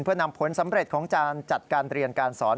เพื่อนำผลสำเร็จของการจัดการเรียนการสอน